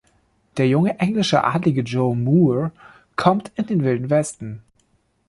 Der junge englische Adlige Joe Moore kommt in den Wilden Westen.